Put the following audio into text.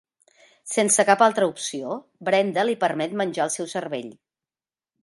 Sense cap altra opció, Brenda li permet menjar el seu cervell.